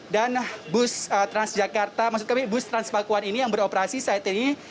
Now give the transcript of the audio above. dan bus transjakarta maksud kami bus transpakuan ini yang beroperasi saat ini